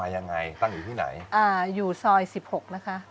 อยู่ซอย๑๖นะคะ